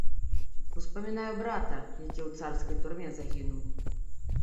Успамінаю брата, які ў царскай турме загінуў.